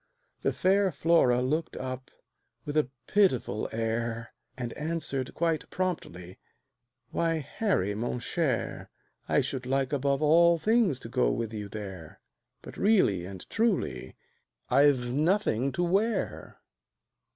The fair Flora looked up, with a pitiful air, And answered quite promptly, "Why, Harry, mon cher, I should like above all things to go with you there, But really and truly I've nothing to wear."